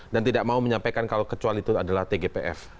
dan tidak mau menyampaikan kalau kecuali itu adalah tgpf